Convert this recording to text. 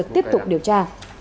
tiếp tục điều tra